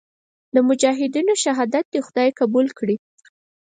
د مجاهدینو شهادت دې خدای قبول کړي.